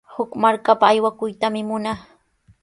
Huk markapa aywakuytami munaa.